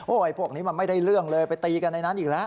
พวกนี้มันไม่ได้เรื่องเลยไปตีกันในนั้นอีกแล้ว